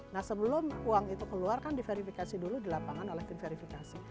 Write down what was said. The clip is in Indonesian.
nah sebelum uang itu keluar kan diverifikasi dulu di lapangan oleh tim verifikasi